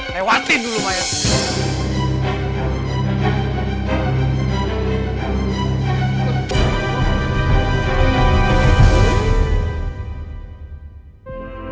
lewatin dulu mayat